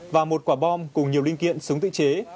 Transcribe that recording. và một quả bom cùng nhiều linh kiện súng tự chế